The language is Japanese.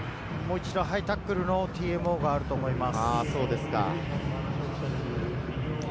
ハイタックルのＴＭＯが入ると思います。